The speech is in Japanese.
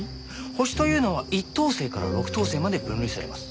星というのは一等星から六等星まで分類されます。